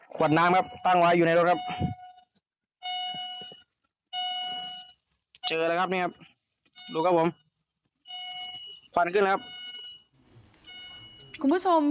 คุณผู้ชม